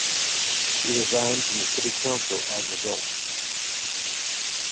He resigned from the city council as result.